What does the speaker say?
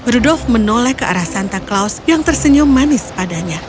rudolf menoleh ke arah santa claus yang tersenyum manis padanya